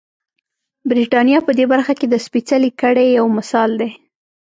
برېټانیا په دې برخه کې د سپېڅلې کړۍ یو مثال دی.